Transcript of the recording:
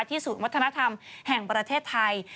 ศูนย์วัฒนธรรมแห่งประเทศไทย